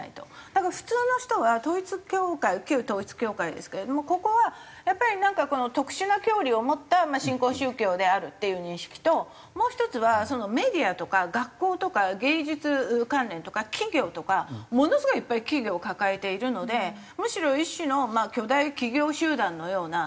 だから普通の人は統一教会旧統一教会ですけれどもここはやっぱりなんか特殊な教理を持った新興宗教であるっていう認識ともう１つはメディアとか学校とか芸術関連とか企業とかものすごいいっぱい企業を抱えているのでむしろ一種の巨大企業集団のような。